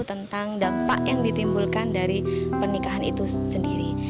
tentang dampak yang ditimbulkan dari pernikahan itu sendiri